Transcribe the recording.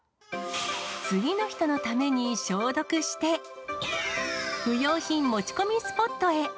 次の人のために消毒して、不要品持ち込みスポットへ。